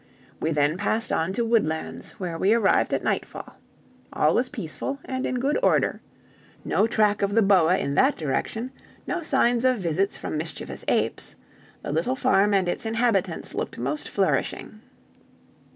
We then passed on to Woodlands, where we arrived at nightfall. All was peaceful and in good order; no track of the boa in that direction; no signs of visits from mischievous apes; the little farm and its inhabitants looked most flourishing.